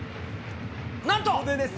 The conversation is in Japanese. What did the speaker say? なんと。